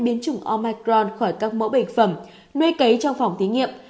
biến chủng omicron khỏi các mẫu bệnh phẩm nuôi cấy trong phòng thí nghiệm